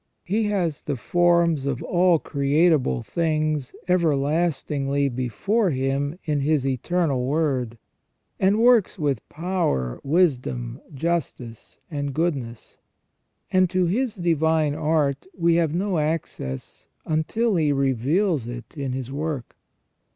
He has the forms of all creatable things everlastingly before Him in His Eternal Word, and works with power, wisdom, justice, and goodness ; and to His divine art we have no access until He reveals it in His work.